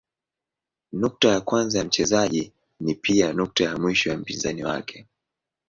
Nukta ya kwanza ya mchezaji ni pia nukta ya mwisho wa mpinzani wake.